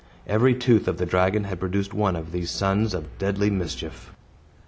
Every tooth of the dragon had produced one of these sons of deadly mischief.